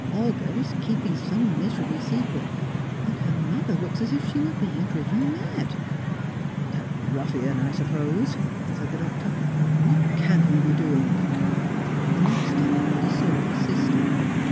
Olga is keeping some miserable secret, and her mother looks as if she were being driven mad." "That ruffian, I suppose," said the Doctor. "What can he be doing?" The next day he saw his sister.